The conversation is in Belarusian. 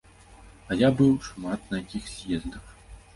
А я быў шмат на якіх з'ездах.